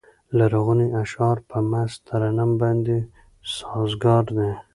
لرغوني اشعار په مست ترنم باندې سازګار دي.